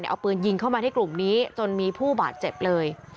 เอาปืนยิงเข้ามาที่กลุ่มนี้จนมีผู้บาดเจ็บเลย